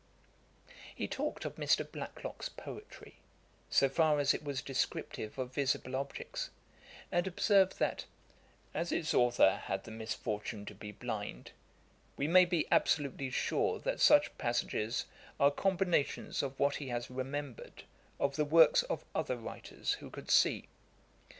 He talked of Mr. Blacklock's poetry, so far as it was descriptive of visible objects; and observed, that 'as its authour had the misfortune to be blind, we may be absolutely sure that such passages are combinations of what he has remembered of the works of other writers who could see.